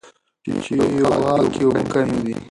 چیواوا کې اوبه کمې دي.